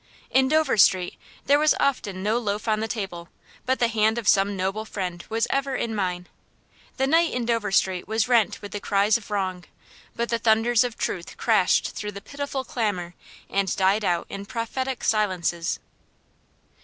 In Dover Street there was often no loaf on the table, but the hand of some noble friend was ever in mine. The night in Dover Street was rent with the cries of wrong, but the thunders of truth crashed through the pitiful clamor and died out in prophetic silences.